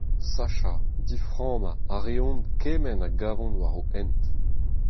Sachañ, diframmañ a reont kement a gavont war o hent.